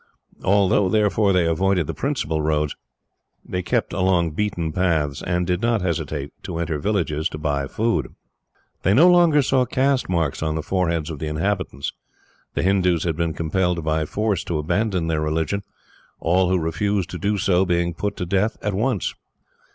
Although, therefore, they avoided the principal roads, they kept along beaten paths, and did not hesitate to enter villages to buy food. They no longer saw caste marks on the foreheads of the inhabitants. The Hindoos had been compelled by force to abandon their religion, all who refused to do so being put to death at once.